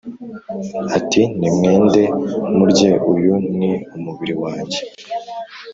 ati Nimwende murye uyu ni umubiri wanjye